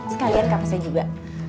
sekalian ke pasien juga